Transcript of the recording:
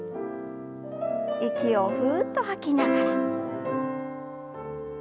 息をふっと吐きながら。